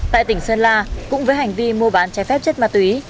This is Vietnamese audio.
tại tỉnh sơn la cũng với hành vi mua bán trái phép chất ma túy